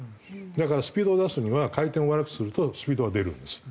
だからスピードを出すには回転を悪くするとスピードは出るんですよ。